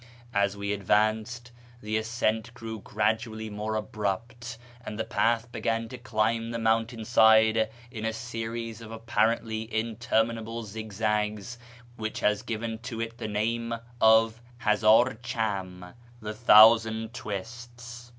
As we advanced, the ascent grew gradually more abrupt, and the path began to climb the mountain side in a series of appar ently interminable zigzags which has given to it the name of Hazdr Cham (" the thousand twists